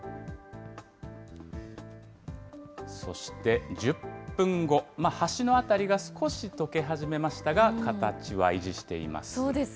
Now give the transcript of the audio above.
そして１０分後、端の辺りが少し溶け始めましたが、形は維持しています。